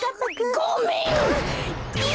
ごめん！